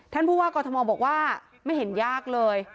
ท่านผู้ว่ากรทมบอกว่าไม่เห็นยากเลย